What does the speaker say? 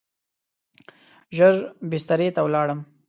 ژر بسترې ته ولاړم.